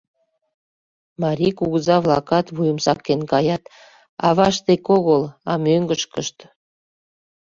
Марий кугыза-влакат вуйым сакен каят, «авашт» дек огыл, а мӧҥгышкышт.